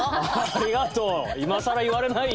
ありがとう。